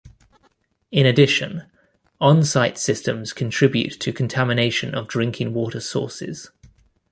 In addition, onsite systems contribute to contamination of drinking water sources.